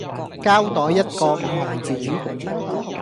膠袋一個五毫子